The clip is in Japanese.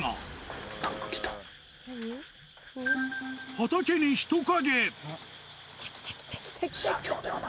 畑に人影！